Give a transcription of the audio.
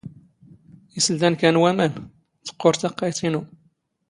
ⵉⵙ ⵍⵍⴰⵏ ⴽⴰ ⵏ ⵡⴰⵎⴰⵏ? ⵜⵇⵇⵓⵔ ⵜⴰⵇⵇⴰⵢⵜ ⵉⵏⵓ.